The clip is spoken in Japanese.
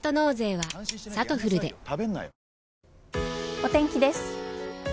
お天気です。